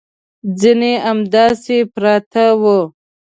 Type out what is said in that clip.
ځینې همداسې پراته وو.